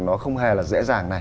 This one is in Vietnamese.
nó không hề là dễ dàng này